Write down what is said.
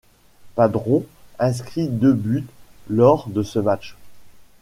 Padrón inscrit deux buts lors de ce match.